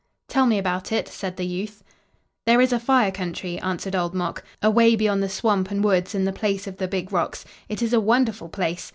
"Tell me about it," said the youth. "There is a fire country," answered Old Mok, "away beyond the swamp and woods and the place of the big rocks. It is a wonderful place.